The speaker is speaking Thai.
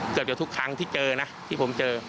เกือบจะทุกครั้งที่เจอนะที่ผมเจอ